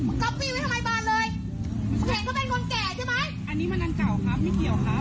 มึงเห็นเขาเป็นคนแก่ใช่ไหมอันนี้มันเก่าครับไม่เกี่ยวครับ